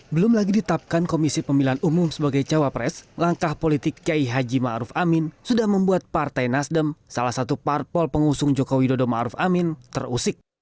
belum lagi ditapkan komisi pemilihan umum sebagai cawapres langkah politik kiai haji maruf amin sudah membuat partai nasdem salah satu parpol pengusung jokowi dodo maruf amin terusik